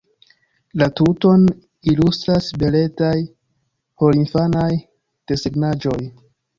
La tuton ilustras beletaj porinfanaj desegnaĵoj.